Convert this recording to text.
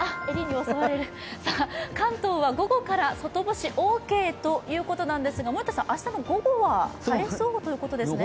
関東は午後から外干しオーケーということなんですが、森田さん、明日の午後は晴れそうということですね？